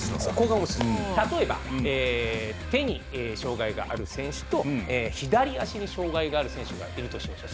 例えば、手に障がいがある選手と左足に障がいがある選手がいるとしましょう。